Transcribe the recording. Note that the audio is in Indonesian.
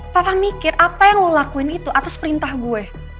pernah mikir apa yang lo lakuin itu atas perintah gue